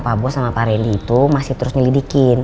pak bos sama pak rally itu masih terus nyelidikin